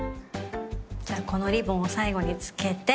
じゃあこのリボンを最後に付けて。